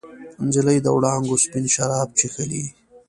نجلۍ د وړانګو سپین شراب چښلي